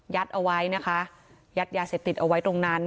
เอาไว้นะคะยัดยาเสพติดเอาไว้ตรงนั้น